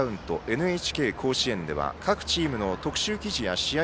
「ＮＨＫ甲子園」では各チームの特集記事や試合